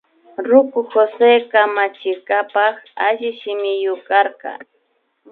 Ruku Jose kamachinkapak alli shimiyuk karka